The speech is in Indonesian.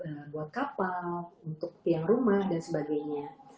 buat kapal untuk tiang rumah dan sebagainya